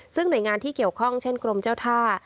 ซึ่งหน่วยงานที่เกี่ยวข้องเช่นกรมเจ้าท่า